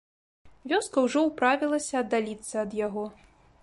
Вёска ўжо ўправілася аддаліцца ад яго.